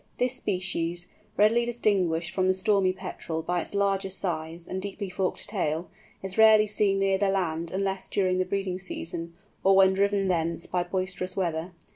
This species, readily distinguished from the Stormy Petrel by its larger size and deeply forked tail, is rarely seen near the land unless during the breeding season, or when driven thence by boisterous weather.